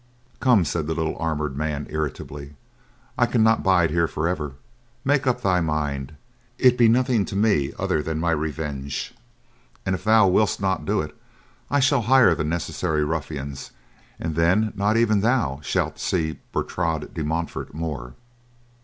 "Come," said the little, armored man irritably. "I cannot bide here forever. Make up thy mind; it be nothing to me other than my revenge, and if thou wilt not do it, I shall hire the necessary ruffians and then not even thou shalt see Bertrade de Montfort more."